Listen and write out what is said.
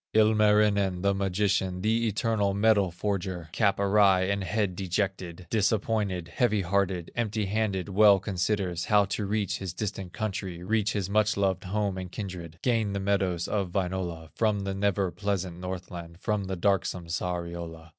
Ilmarinen, the magician, The eternal metal forger, Cap awry and head dejected, Disappointed, heavy hearted, Empty handed, well considers, How to reach his distant country, Reach his much loved home and kinded, Gain the meadows of Wainola, From the never pleasant Northland, From the darksome Sariola.